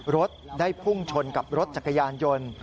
รถได้พุ่งชนกับรถจักรยานยนต์